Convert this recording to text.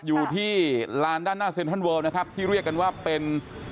อยู่ที่ลานด้านหน้าเซ็นทรัลเวิลนะครับที่เรียกกันว่าเป็น